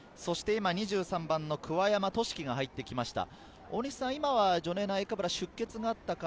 ２３番・桑山聖生が入ってきました。